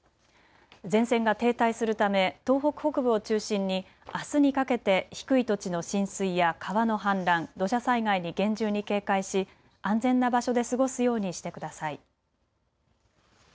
前線が停滞するため東北北部を中心にあすにかけて低い土地の浸水や川の氾濫、土砂災害に厳重に警戒し安全な場所で過ごすようにしてください。